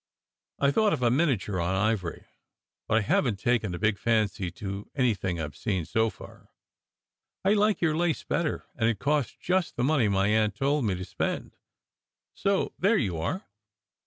I thought of a miniature on ivory, but I haven t taken a big fancy to anything I ve seen so far. I like your lace better, and it costs just the money my aunt told me to spend. So there you are."